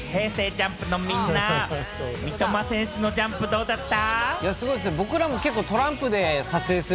ＪＵＭＰのみんな、三笘選手のジャンプどうだった？